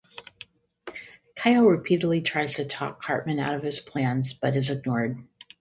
Kyle repeatedly tries to talk Cartman out of his plans, but is ignored.